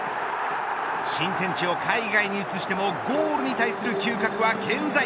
新天地を海外に移してもゴールに対する嗅覚は健在。